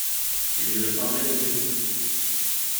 Il lui ressemblait, monsieur!